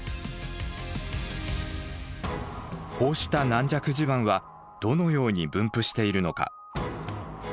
こうした軟弱地盤はどのように分布しているのか。